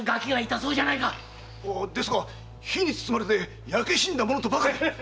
ですが火に包まれて焼け死んだものとばかり。